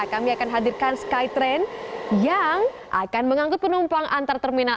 kami akan hadirkan skytrain yang akan mengangkut penumpang antar terminal